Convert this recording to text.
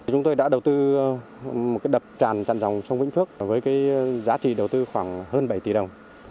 chúng tôi đã đầu tư một đập tràn dòng sông vĩnh phước với giá trị đầu tư khoảng hơn bảy tỷ đồng